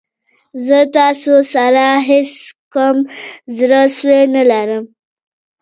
زه ستاسو سره هېڅ کوم زړه سوی نه لرم.